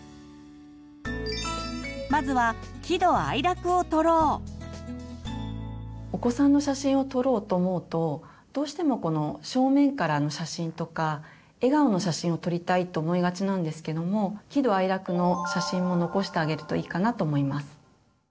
まずはお子さんの写真を撮ろうと思うとどうしてもこの正面からの写真とか笑顔の写真を撮りたいと思いがちなんですけども喜怒哀楽の写真も残してあげるといいかなと思います。